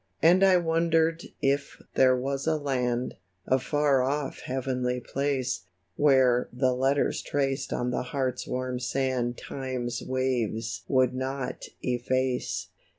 And I wonder'd if there was a land — A far off heavenly place — Where the letters traced on the heart's warm sand Time's waves would not efface.